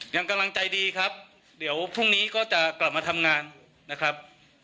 กำลังใจดีครับเดี๋ยวพรุ่งนี้ก็จะกลับมาทำงานนะครับ